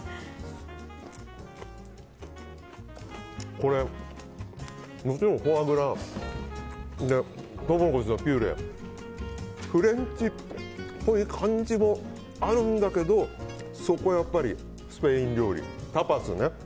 これ、もちろんフォアグラでトウモロコシのピュレフレンチっぽい感じもあるんだけどそこはやっぱりスペイン料理タパスね。